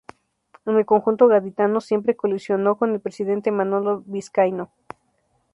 En el conjunto gaditano siempre colisionó con el presidente Manolo Vizcaíno.